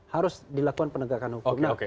harus dilakukan penegakan hukum